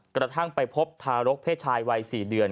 กระทั่งไปพบทารกเพศชายวัย๔เดือน